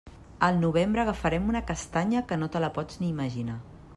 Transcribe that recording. Al novembre agafarem una castanya que no te la pots ni imaginar.